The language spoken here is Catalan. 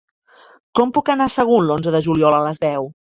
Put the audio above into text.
Com puc anar a Sagunt l'onze de juliol a les deu?